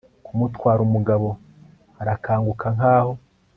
kumutwara, umugabo arakanguka nkaho